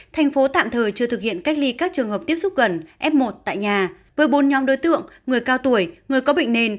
thành phố tạm thời chưa thực hiện cách ly các trường hợp tiếp xúc gần f một tại nhà với bốn nhóm đối tượng người cao tuổi người có bệnh nền